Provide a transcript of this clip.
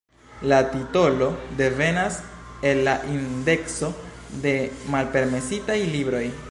La titolo devenas el la indekso de malpermesitaj libroj.